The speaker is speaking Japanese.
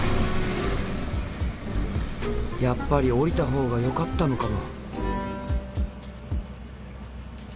やっぱり降りたほうがよかったのかも。